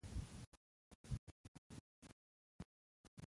په افغانستان کې کوچني صنعتونه وده کوي.